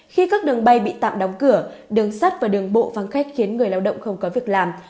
khi các đường bay bị tạm đóng cửa đường sắt và đường bộ vắng khách khiến người lao động không có việc làm